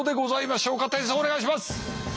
点数お願いします。